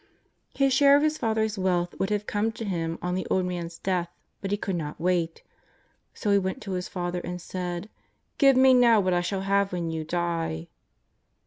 His share of his father's wealth would have come to him on the old man's death, but he could not wait. So he went to his father and said :" Give me now what I shall have when you die."